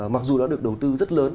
mặc dù nó được đầu tư rất lớn